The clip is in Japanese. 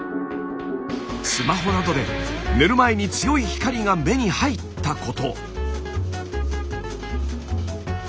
スマホなどで寝る前に強い光が目に入ったこと。